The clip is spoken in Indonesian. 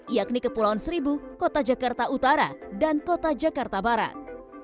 yakni kepulauan seribu kota jakarta utara dan kota jakarta barat